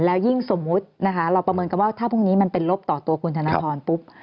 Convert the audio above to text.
และยิ่งสมมติว่าและประเมินที่พรุ่งนี้เป็นลบต่อตัวของคุณธนทร